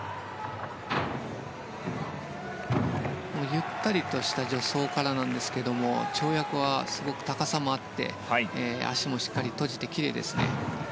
ゆったりとした助走からなんですけれども跳躍はすごく高さもあって足もしっかり閉じてきれいですね。